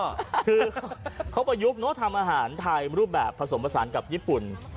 คือเขาประยุกต์เนอะทำอาหารไทยรูปแบบผสมผสานกับญี่ปุ่น